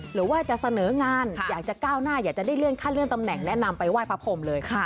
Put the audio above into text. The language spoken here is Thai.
หรือว่าจะเสนองานอยากจะก้าวหน้าอยากจะได้เลื่อนขั้นเลื่อนตำแหน่งแนะนำไปไหว้พระพรมเลย